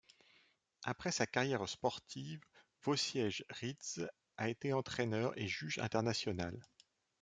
Après sa carrière sportive, Wojciech Rydz a été entraineur et juge international.